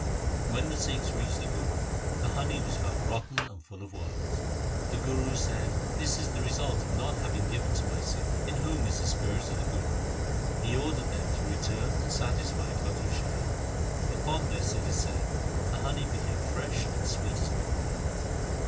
When the Sikhs reached the Guru, the honey was found'rotten and full of worms. The Guru said, ' This is the result of not having given to my Sikh in whom is the spirit of the Guru.' He ordered them to return and satisfy Kattu Shah. Upon this, it is said, the honey became fresh and sweet as before.